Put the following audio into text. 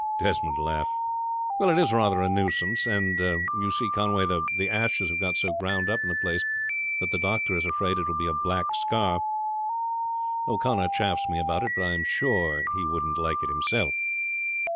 Desmond laughed. "Well, it is rather a nuisance; and you see Conway, the ashes have got so ground up in the place that the doctor is afraid it will be a black scar. O'Connor chaffs me about it, but I am sure he wouldn't like it himself."